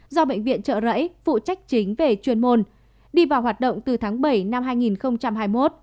do bệnh viện trợ rẫy phụ trách chính về chuyên môn đi vào hoạt động từ tháng bảy năm hai nghìn hai mươi một